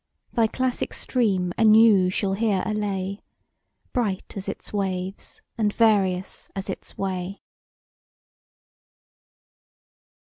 Thy classic stream anew shall hear a lay, Bright as its waves, and various as its way.